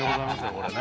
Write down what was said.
これね。